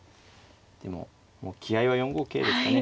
でも気合いは４五桂ですかね。